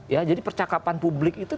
ya jadi percakapan publik itu